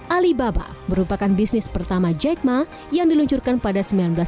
alibaba merupakan bisnis pertama jack ma yang diluncurkan pada seribu sembilan ratus sembilan puluh